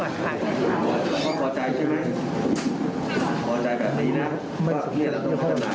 แต่วันเนี่ยทำสาสุดไม่ดีนะครับทุกคนนะ